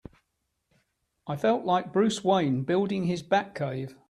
I felt like Bruce Wayne building his Batcave!